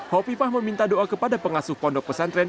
hopipah meminta doa kepada pengasuh pondok pesantren